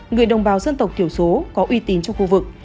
người đồng bào dân tộc thiểu số có uy tín trong khu vực